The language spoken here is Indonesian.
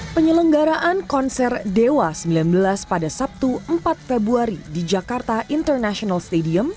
penyelenggaraan konser dewa sembilan belas pada sabtu empat februari di jakarta international stadium